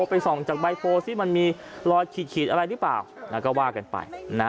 ไปส่องจากใบโฟซิมันมีรอยขีดอะไรหรือเปล่าก็ว่ากันไป